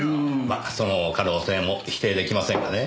まあその可能性も否定出来ませんがね。